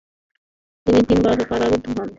তিনি তিন বার কারারুদ্ধ হন।